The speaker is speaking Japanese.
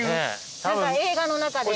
映画の中で。